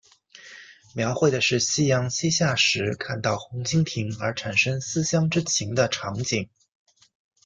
描绘的是夕阳西下时看到红蜻蜓而产生思乡之情的场景。